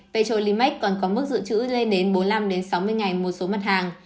petrolimax còn có mức dự trữ lên đến bốn mươi năm sáu mươi ngày một số mặt hàng